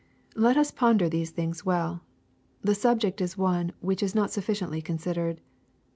Let us ponder these things well. The subject is one which is not sufficiently considered.